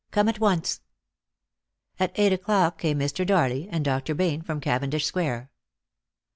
Come at once." At eight o'clock came Mr. Darley, and Dr. Bayne from Caven dish square.